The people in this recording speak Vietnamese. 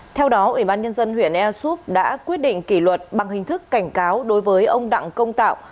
theo đó ubnd huyện air soup đã quyết định kỷ luật bằng hình thức cảnh cáo đối với ông đặng công tạo